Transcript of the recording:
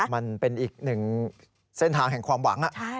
มันเป็นอีกหนึ่งเส้นทางแห่งความหวัง